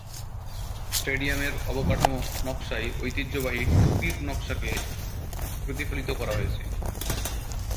স্টেডিয়ামের অবকাঠামো নকশায় ঐতিহ্যবাহী "টুপি"র নকশাকে প্রতিফলিত করা হয়েছে।